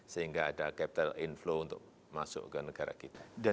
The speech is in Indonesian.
sehingga ada capital inflow untuk masuk ke negara kita